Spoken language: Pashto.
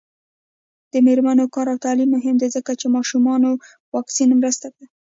د میرمنو کار او تعلیم مهم دی ځکه چې ماشومانو واکسین مرسته ده.